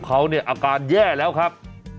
เขาเนี่ยอาการแย่แล้วครับ